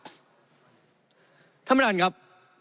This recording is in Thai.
ท่านประธานครับ